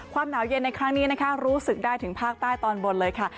ความหนาวเย็นในครั้งนี้นะคะรู้สึกได้ถึงภาคใต้ตอนบนเลยค่ะ